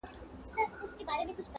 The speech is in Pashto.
دی مجبور دی شاته نه سي ګرځېدلای -